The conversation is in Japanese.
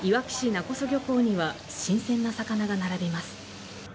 勿来漁港には新鮮な魚が並びます。